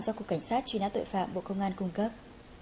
do cục cảnh sát truy nã tội phạm bộ công an cung cấp